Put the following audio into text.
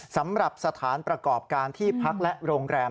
สำหรับสถานประกอบการที่พักและโรงแรม